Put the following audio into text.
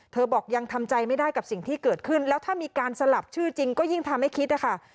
บอกยังทำใจไม่ได้กับสิ่งที่เกิดขึ้นแล้วถ้ามีการสลับชื่อจริงก็ยิ่งทำให้คิดนะคะ